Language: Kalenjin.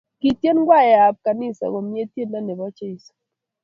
Kityen kwaya ab kanisa komnye tiendo noto ab Jeso